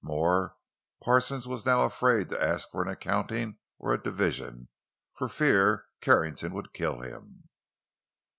More, Parsons was now afraid to ask for an accounting or a division, for fear Carrington would kill him.